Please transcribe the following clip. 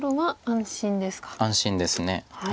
安心です。